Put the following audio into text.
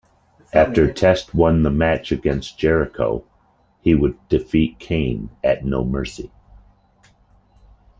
After Test won the match against Jericho he would defeat Kane at No Mercy.